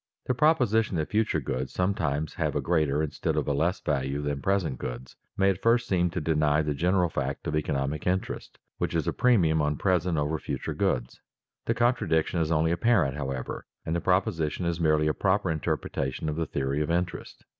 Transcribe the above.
_ The proposition that future goods sometimes have a greater instead of a less value than present goods may at first seem to deny the general fact of economic interest, which is a premium on present over future goods. The contradiction is only apparent, however, and the proposition is merely a proper interpretation of the theory of interest.